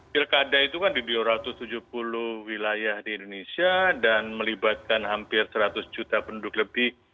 pilkada itu kan di dua ratus tujuh puluh wilayah di indonesia dan melibatkan hampir seratus juta penduduk lebih